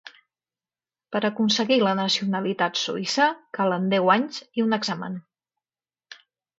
Per aconseguir la nacionalitat suïssa, calen deu anys i un examen.